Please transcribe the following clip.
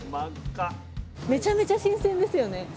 めちゃめちゃ新鮮ですよね。